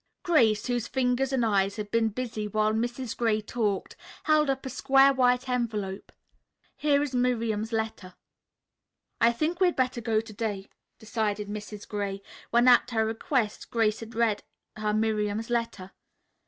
Grace, whose fingers and eyes had been busy while Mrs. Gray talked, held up a square white envelope. "Here is Miriam's letter." "I think we had better go to day," decided Mrs. Gray, when at her request Grace had read her Miriam's letter.